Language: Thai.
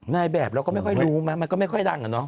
ในแบบเราก็ไม่ค่อยรู้มั้ยมันก็ไม่ค่อยดังอะเนาะ